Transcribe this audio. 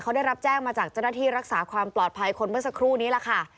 เขาได้รับแจ้งมาจากเจ้าหน้าที่รักษาความปลอดภัยคนเมื่อสักครู่นี้แหละค่ะ